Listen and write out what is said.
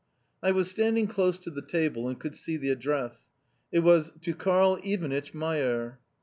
I was standing close to the table, and could see the address. It was "To Karl Ivanitch Mayer."